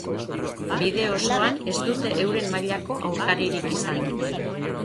Bide osoan ez dute euren mailako aurkaririk izan.